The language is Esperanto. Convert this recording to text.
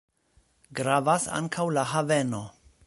Gravas ankaŭ la haveno.